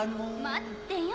待ってよ